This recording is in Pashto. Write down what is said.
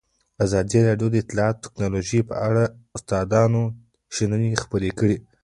ازادي راډیو د اطلاعاتی تکنالوژي په اړه د استادانو شننې خپرې کړي.